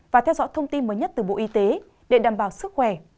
và theo dõi thông tin mới nhất từ bộ y tế để đảm bảo sức khỏe